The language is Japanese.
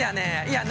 「いや。